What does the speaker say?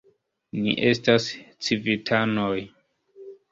Ni estas civitanoj.